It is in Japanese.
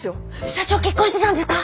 社長結婚してたんですか？